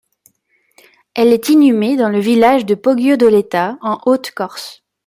Elle est inhumée dans le village de Poggio-d'Oletta, en Haute-Corse.